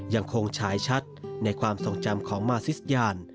ฉายชัดในความทรงจำของมาซิสยาน